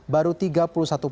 baru tiga tahun ini